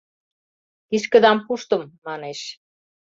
— Кишкыдам пуштым, — манеш.